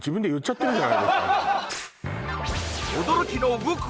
驚きの動く